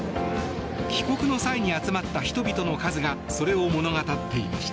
帰国の際に集まった人々の数がそれを物語っていました。